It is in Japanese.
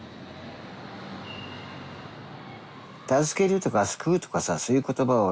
助けるとか救うとかさそういう言葉